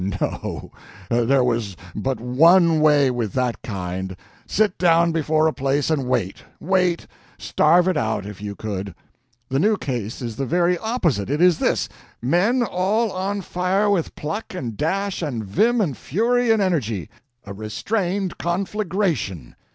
No—there was but one way with that kind: sit down before a place and wait, wait—starve it out, if you could. The new case is the very opposite; it is this: men all on fire with pluck and dash and vim and fury and energy—a restrained conflagration!